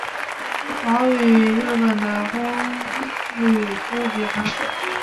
褓与日本的风吕敷比较相似。